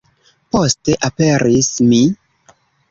Poste aperis mi.